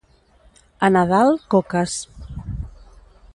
A Nadal, coques.